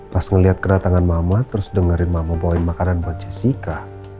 pas ngeliat kedatangan mama terus dengerin mama poin makanan buat jessica